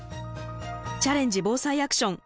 「チャレンジ防災アクション」。